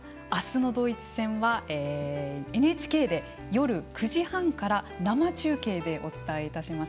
ドイツ戦はＮＨＫで夜９時半から生中継でお伝えいたします。